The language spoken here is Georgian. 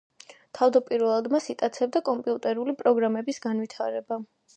თავდაპირველად მას იტაცებდა კომპიუტერული პროგრამების განვითარება.